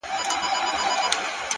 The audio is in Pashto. هڅاند انسان فرصتونه جوړوي.